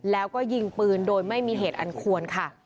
แล้วก็ยิงปืนโดยไม่มีเหตุอันควรค่ะ